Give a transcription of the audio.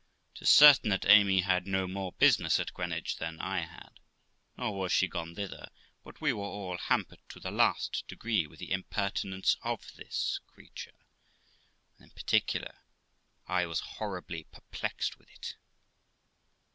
Tis certain that Amy had no more business at Greenwich than I had, nor was she going thither ; but we were all hampered to the last degree with the impertinence of this creature; and, in particular, I was horribly perplexed with it.